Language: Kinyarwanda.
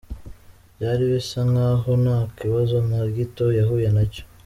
Byari bisa nk'aho ntakibazo na gito yahuye nacyo.